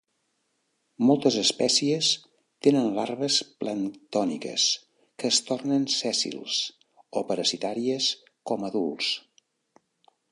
Moltes espècies tenen larves planctòniques que es tornen sèssils o parasitàries com adults.